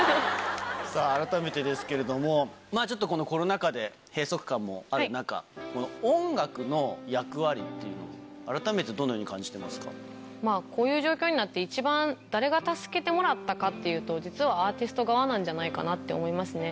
さあ、改めてですけども、ちょっとこのコロナ禍で閉塞感もある中、この音楽の役割っていうのを、こういう状況になって、一番誰が助けてもらったかっていうと、実はアーティスト側なんじゃないかなと思いますね。